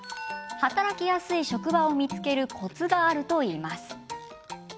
働きやすい職場を見つけるコツがあるといいます。